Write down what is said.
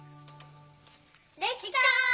できた！